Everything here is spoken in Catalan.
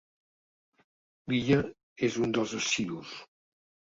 L'Illa és un dels assidus.